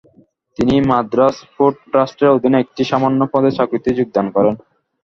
তিনি মাদ্রাজ পোর্ট ট্রাস্টের অধীনে একটি সামান্য পদের চাকুরিতে যোগদান করেন।